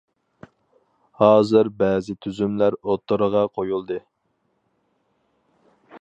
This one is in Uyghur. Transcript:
ھازىر بەزى تۈزۈملەر ئوتتۇرىغا قويۇلدى.